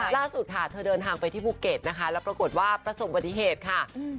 ล่าสุดค่ะเธอเดินทางไปที่ภูเก็ตนะคะแล้วปรากฏว่าประสบปฏิเหตุค่ะ